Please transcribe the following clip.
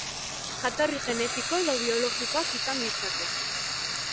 Jatorri genetiko edo biologikoak izan ditzake.